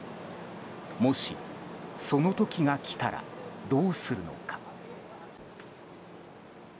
もし、その時が来たらどうするのか。